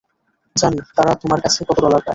জানি তারা তোমার কাছে কত ডলার পায়।